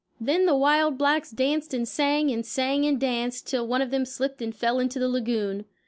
Then the wild blacks danced and sang and sang and danced, till one of them slipped and fell into the lagoon.